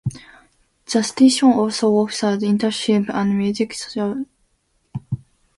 The station also offers internship and music scholarships and an inner-city community outreach program.